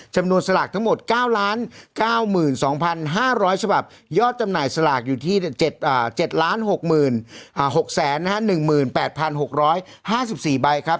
สลากทั้งหมด๙๙๒๕๐๐ฉบับยอดจำหน่ายสลากอยู่ที่๗๖๖๑๘๖๕๔ใบครับ